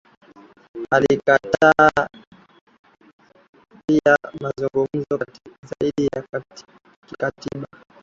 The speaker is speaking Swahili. Akakataa pia mazungumzo zaidi ya kikatiba